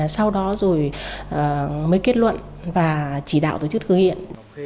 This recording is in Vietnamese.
sau đó rồi mới kết luận và chỉ đạo từ trước thực hiện